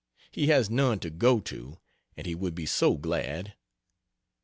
He has none to go to, and he would be so glad.